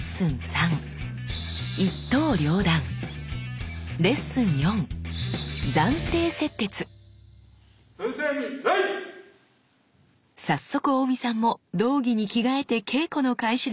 早速大見さんも道着に着替えて稽古の開始です。